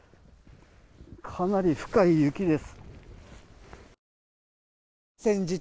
かなり深い雪です。